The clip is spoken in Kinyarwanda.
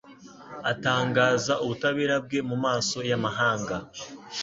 atangaza ubutabera bwe mu maso y’amahanga